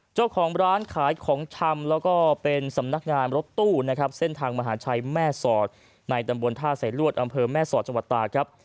เจ้าของร้านขายของชำแล้วก็เป็นสำนักงานรถตู้นะครับเส้นทางมหาชัยแม่สอดในตำบลท่าใส่ลวดอำเภอแม่สอดจังหวัดตาครับ